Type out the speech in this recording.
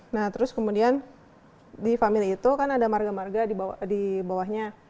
nah terus kemudian di family itu kan ada marga marga di bawahnya